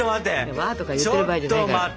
うわっとか言ってる場合じゃないから。